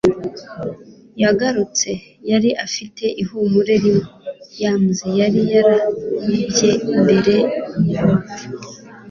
yagarutse. yari afite ihumure rimwe. yams yari yarabibye mbere y'amapfa